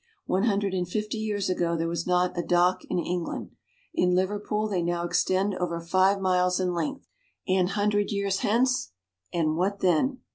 One hundred and fifty years ago there was not a dock in England. In Liverpool they now extend over five miles in length. An hundred years hence? and what then?